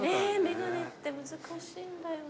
眼鏡って難しいんだよな。